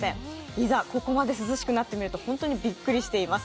いざここまで涼しくなると本当にびっくりしています。